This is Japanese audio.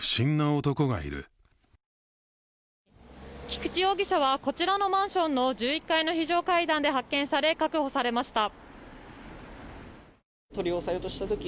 菊池容疑者はこちらのマンションの１１階の非常階段で発見され確保されました。